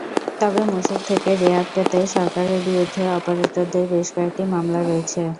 তবে মূসক থেকে রেয়াত পেতে সরকারের বিরুদ্ধে অপারেটরদের বেশ কয়েকটি মামলা রয়েছে।